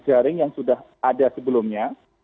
dan jejaring yang sudah ada sebelumnya